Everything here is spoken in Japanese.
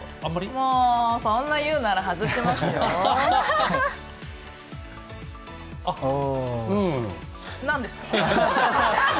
もう、そんな言うなら外しますよぉ。